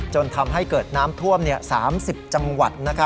จนทำให้เกิดน้ำท่วม๓๐จังหวัด